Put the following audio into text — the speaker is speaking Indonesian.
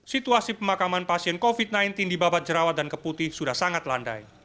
situasi pemakaman pasien covid sembilan belas di babat jerawat dan keputih sudah sangat landai